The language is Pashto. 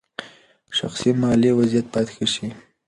شخصي مالي وضعیت باید ښه شي.